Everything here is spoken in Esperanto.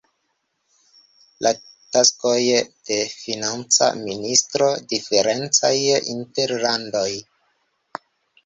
La taskoj de financa ministro diferencaj inter landoj.